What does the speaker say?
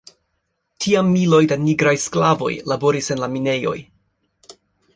Tiam miloj da nigraj sklavoj laboris en la minejoj.